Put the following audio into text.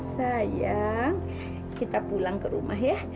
sayang kita pulang ke rumah ya